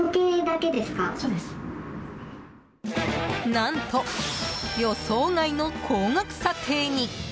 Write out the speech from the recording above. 何と、予想外の高額査定に。